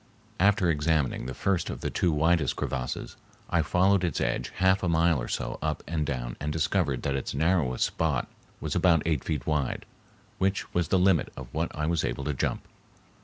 After examining the first of the two widest crevasses, I followed its edge half a mile or so up and down and discovered that its narrowest spot was about eight feet wide, which was the limit of what I was able to jump.